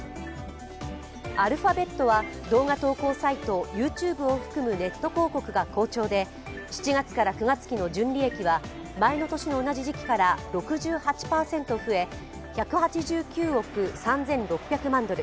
Ａｌｐｈａｂｅｔは動画投稿サイトＹｏｕＴｕｂｅを含むネット広告が好調で、７月から９月期の純利益は前の年の同じ時期から６８％増え１８９億３６００万ドル